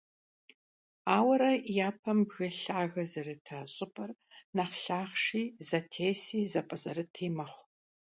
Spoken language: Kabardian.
Ауэрэ, япэм бгы лъагэ зэрыта щIыпIэр нэхъ лъахъши, зэтеси, зэпIэзэрыти мэхъу.